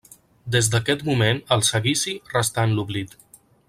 Des d'aquest moment, el seguici restà en l'oblit.